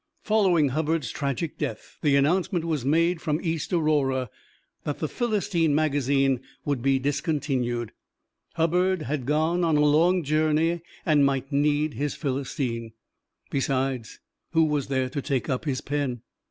Following Hubbard's tragic death, the announcement was made from East Aurora that "The Philistine" Magazine would be discontinued Hubbard had gone on a long journey and might need his "Philistine." Besides, who was there to take up his pen?